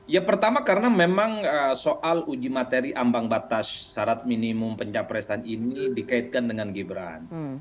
ya pertama karena memang soal uji materi ambang batas syarat minimum pencapresan ini dikaitkan dengan gibran